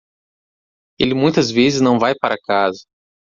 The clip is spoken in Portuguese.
Ele muitas vezes não vai para casa